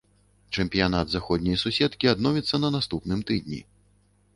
Чэмпіянат заходняй суседкі адновіцца на наступным тыдні.